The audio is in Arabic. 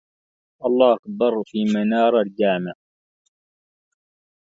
الله أكبر في منار الجامع